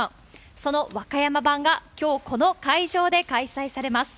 その和歌山版が、きょうこの会場で開催されます。